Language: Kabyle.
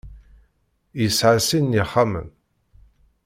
Yesɛa sin n yixxamen.